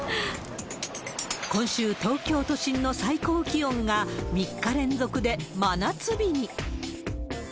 今週、東京都心の最高気温が３日連続で真夏日に。